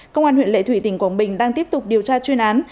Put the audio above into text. công an huyện lệ thủy tỉnh quảng bình đang tiếp tục điều tra chuyên án